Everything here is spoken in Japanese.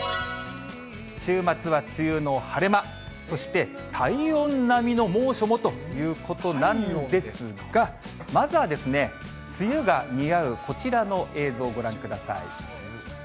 週末は梅雨の晴れ間、そして体温並みの猛暑もということなんですが、まずは、梅雨が似合うこちらの映像ご覧ください。